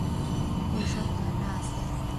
ওসব জানা আছে।